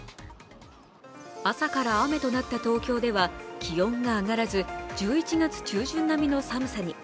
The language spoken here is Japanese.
朝から雨となった東京では気温が上がらず１１月中旬並みの寒さに。